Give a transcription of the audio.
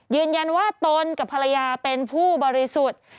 ยืนยันว่าตนกับภรรยาเป็นผู้บริสุทธิ์